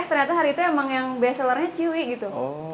eh ternyata hari itu emang yang bestsellernya chihwi gitu